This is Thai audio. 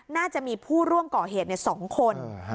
น่าจะมีผู้ร่วมก่อเหตุ๒คน